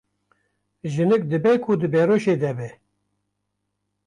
Jinik dibe ku di beroşê de be.